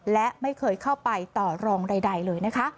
และไม่เคยเข้าไปต่อรองใดเลยนะคะ